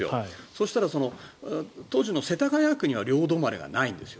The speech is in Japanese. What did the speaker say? そしたら、当時の世田谷区には両止まれがないんです。